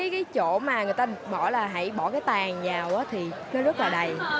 cái chỗ mà người ta bỏ là hãy bỏ cái tàn vào thì nó rất là đầy